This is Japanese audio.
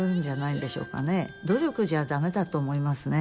努力じゃ駄目だと思いますね。